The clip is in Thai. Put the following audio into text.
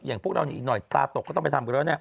พวกเรานี่อีกหน่อยตาตกก็ต้องไปทำกันแล้วเนี่ย